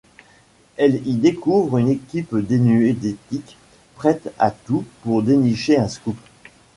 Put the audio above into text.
Elle y découvre une équipe dénuée d'éthique, prête à tout pour dénicher un scoop.